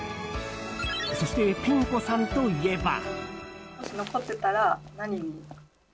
そして、ピン子さんといえば。